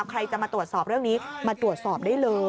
ใครจะมาตรวจสอบเรื่องนี้มาตรวจสอบได้เลย